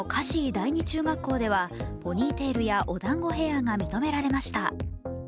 第二中学校ではポニーテールやおだんごヘアーが認められました。